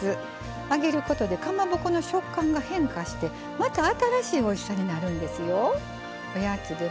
揚げることでかまぼこの食感が変化してまた新しいおいしさになるんですよ。